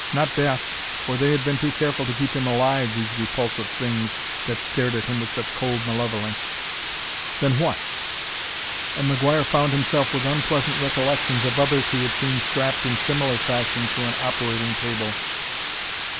Not death, for they had been too careful to keep him alive, these repulsive things that stared at him with such cold malevolence. Then what? And McGuire found himself with unpleasant recollections of others he had seen strapped in similar fashion to an operating table.